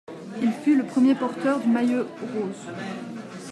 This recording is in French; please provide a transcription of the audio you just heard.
Il fut le premier porteur du Maillot rose.